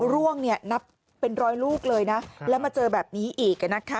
ร่วงนับเป็นร้อยลูกเลยนะแล้วมาเจอแบบนี้อีก